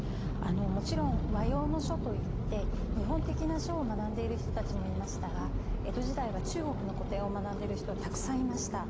もちろん和様の書といって日本的な書を学んでいる人たちもいましたが江戸時代は中国の古典を学んでいる人はたくさんいました。